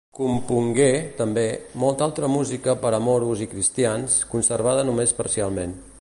Compongué, també, molta altra música per a Moros i cristians, conservada només parcialment.